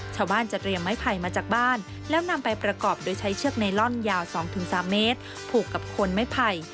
ชาวบ้านจะเตรียมไม้ไผ่มาจากบ้านแล้วนำไปประกอบโดยใช้เชือกไนลอนยาว๒๓เมตรผูกกับคนไม้ไผ่